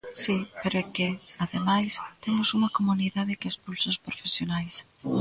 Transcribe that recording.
Si, pero é que, ademais, temos unha comunidade que expulsa os profesionais.